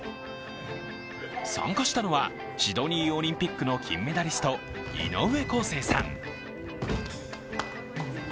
参加したのは、シドニーオリンピックの金メダリスト、井上康生さん。